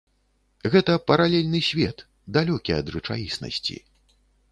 Гэта паралельны свет, далёкі ад рэчаіснасці.